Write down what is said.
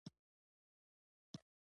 ګل د ښکلا معجزه ده.